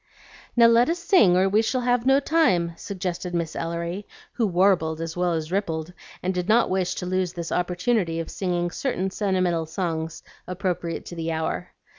"Now let us sing or we shall have no time," suggested Miss Ellery, who warbled as well as rippled, and did not wish to lose this opportunity of singing certain sentimental songs appropriate to the hour.